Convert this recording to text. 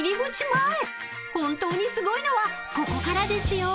［本当にすごいのはここからですよ］